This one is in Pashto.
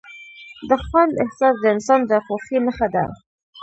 د خوند احساس د انسان د خوښۍ نښه ده.